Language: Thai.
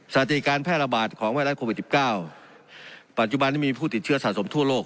สติการแพร่ระบาดของไวรัสโควิด๑๙ปัจจุบันนี้มีผู้ติดเชื้อสะสมทั่วโลก